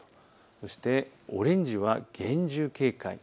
そしてオレンジは厳重警戒。